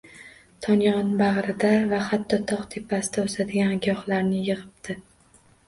Tog‘ yonbag‘rida va hatto tog‘ tepasida o‘sadigan giyohlarni yig‘ibdi